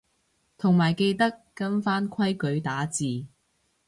同埋記得跟返規矩打字